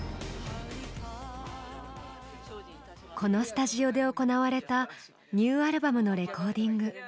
このスタジオで行われたニューアルバムのレコーディング。